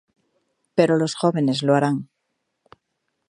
Pero los jóvenes lo harán".